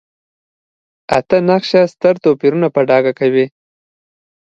اته نقشه ستر توپیرونه په ډاګه کوي.